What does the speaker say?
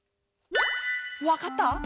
わかった？